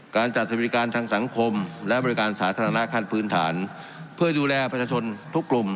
การจัดสวัสดิการทางสังคมและบริการสาธารณะขั้นพื้นฐานเพื่อดูแลประชาชนทุกกลุ่ม